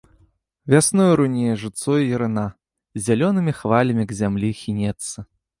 Вясною рунее жытцо і ярына, зялёнымі хвалямі к зямлі хінецца.